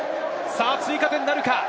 追加点なるか？